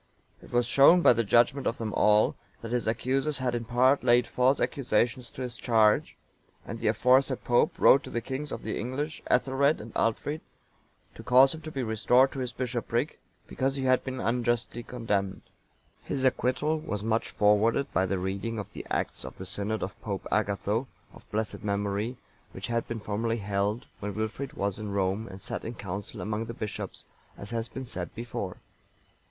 (922) It was shown by the judgement of them all, that his accusers had in part laid false accusations to his charge; and the aforesaid Pope wrote to the kings of the English, Ethelred and Aldfrid, to cause him to be restored to his bishopric, because he had been unjustly condemned.(923) His acquittal was much forwarded by the reading of the acts of the synod of Pope Agatho,(924) of blessed memory, which had been formerly held, when Wilfrid was in Rome and sat in council among the bishops, as has been said before.